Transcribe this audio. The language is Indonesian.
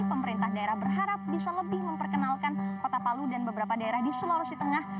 pemerintah daerah berharap bisa lebih memperkenalkan kota palu dan beberapa daerah di sulawesi tengah